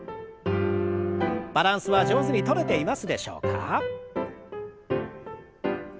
バランスは上手にとれていますでしょうか？